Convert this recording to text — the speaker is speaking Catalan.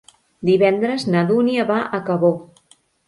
Divendres na Dúnia va a Cabó.